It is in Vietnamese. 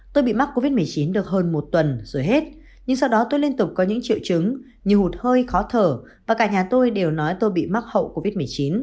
tôi bị mắc covid một mươi chín được hơn một tuần rồi hết nhưng sau đó tôi liên tục có những triệu chứng như hụt hơi khó thở và cả nhà tôi đều nói tôi bị mắc hậu covid một mươi chín